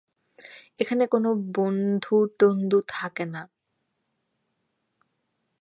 এখানে কোনো বন্ধু তন্ডু থাকে না।